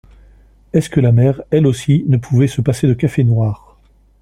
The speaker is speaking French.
Est-ce que la mère, elle aussi, ne pouvait se passer de café noir?